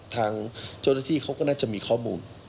ทางเจ้าหน้าที่เขาก็น่าจะมีข้อมูล